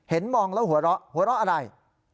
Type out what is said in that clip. มองแล้วหัวเราะหัวเราะอะไร